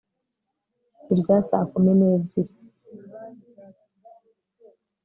turya saa kumi n'ebyiri